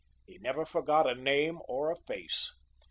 He never forgot a name or a face.